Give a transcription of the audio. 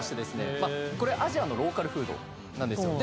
まあこれアジアのローカルフードなんですよで